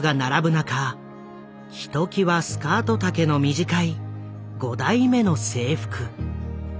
ひときわスカート丈の短い５代目の制服。